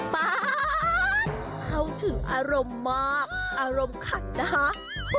เข้าถึงอารมณ์มากอารมณ์ขัดนะคะ